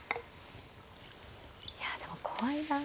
いやでも怖いな。